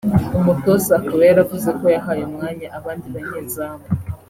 Umutoza akaba yaravuze ko yahaye umwanya abandi banyezamu